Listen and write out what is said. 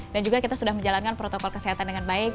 dan juga kita sudah menjalankan protokol kesehatan dengan baik